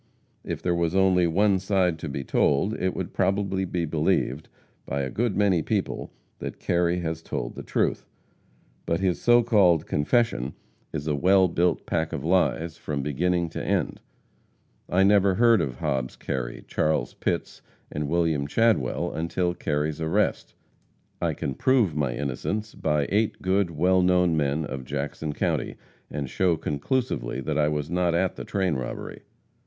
If there was only one side to be told, it would probably be believed by a good many people that Kerry has told the truth. But his so called confession is a well built pack of lies from beginning to end. I never heard of Hobbs Kerry, Charles Pitts and William Chadwell until Kerry's arrest. I can prove my innocence by eight good, well known men of Jackson county, and show conclusively that I was not at the train robbery.